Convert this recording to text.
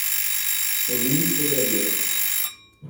Au ministre de la guerre.